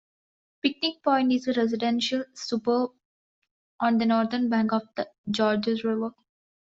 Picnic Point is a residential suburb on the northern bank of the Georges River.